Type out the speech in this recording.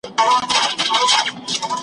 هغه يوازې مؤرخ نه و